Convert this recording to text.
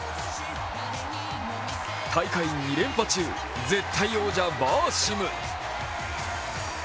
大会２連覇中、絶対王者・バーシム。